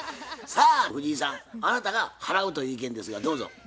さあ藤井さんあなたが払うという意見ですがどうぞ。